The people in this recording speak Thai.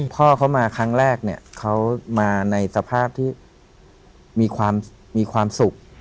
พ่อเขามาครั้งแรกเนี่ยเขามาในสภาพที่มีความสุข